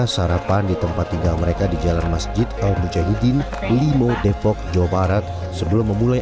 sarapan di tempat tinggal mereka di jalan masjid al mujahidin limo depok jawa barat sebelum memulai